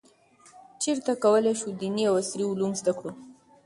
چیرته کولای شو دیني او عصري علوم زده کړو؟